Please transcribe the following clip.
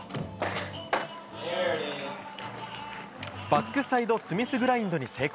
バックサイドスミスグラインドに成功。